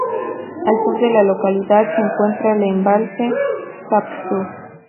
Al sur de la localidad se encuentra el embalse Shapsug.